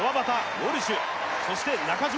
ウォルシュそして中島